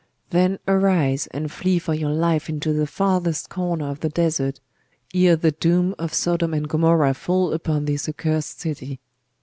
'Then arise, and flee for your life into the farthest corner of the desert, ere the doom of Sodom and Gomorrha fall upon this accursed city.